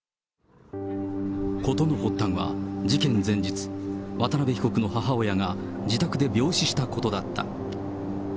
事の発端は事件前日、渡辺被告の母親が自宅で病死したことだった。